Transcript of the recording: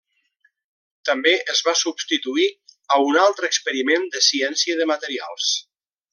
També es va substituir a un altre experiment de ciència de materials.